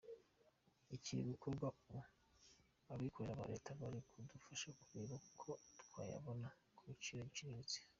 Ikiri gukorwa ubu, abikorera na Leta bari kudufasha kureba uko twayabona ku giciro giciriritse.